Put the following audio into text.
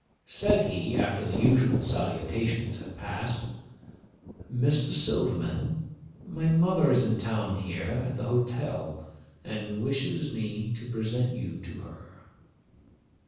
Said he, after the usual salutations had passed, 'Mr. Silverman, my mother is in town here, at the hotel, and wishes me to present you to her.